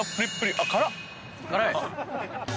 辛い？